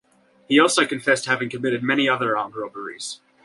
He also confessed to having committed many other armed robberies.